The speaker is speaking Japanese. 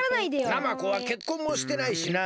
ナマコはけっこんもしてないしな。